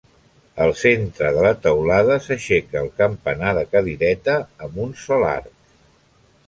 Al centre de la teulada s'aixeca el campanar de cadireta amb un sol arc.